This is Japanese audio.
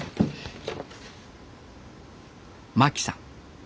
真樹さん